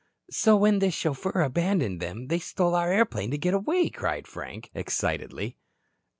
"So when this chauffeur abandoned them they stole our airplane to get away," cried Frank excitedly.